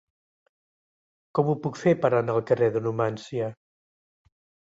Com ho puc fer per anar al carrer de Numància?